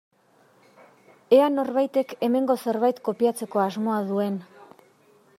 Ea norbaitek hemengo zerbait kopiatzeko asmoa duen.